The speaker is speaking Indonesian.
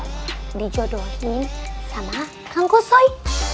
aku dijodohin sama kang kusoy